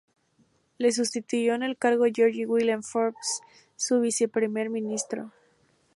Le sustituyó en el cargo George William Forbes, su viceprimer ministro.